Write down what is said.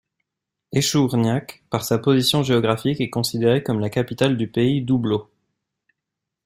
Échourgnac, par sa position géographique est considérée comme la capitale du pays doubleaud.